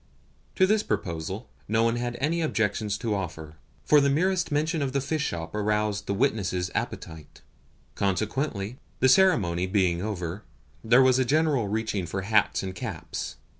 To this proposal no one had any objection to offer, for the mere mention of the fish shop aroused the witnesses' appetite. Consequently, the ceremony being over, there was a general reaching for hats and caps.